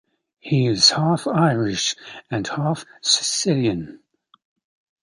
He is half Irish and half Sicilian.